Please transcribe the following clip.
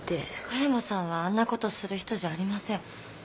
加山さんはあんなことする人じゃありません。